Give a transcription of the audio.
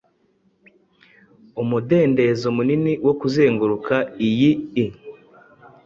Umudendezo munini wo kuzenguruka iyi i